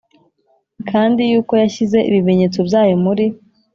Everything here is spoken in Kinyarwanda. Kandi yuko yashyize ibimenyetso byayo muri